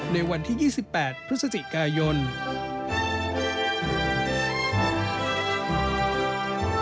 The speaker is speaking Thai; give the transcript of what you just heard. ในวันที่๒๘พฤศจิกายน